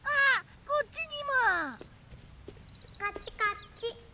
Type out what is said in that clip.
こっちこっち。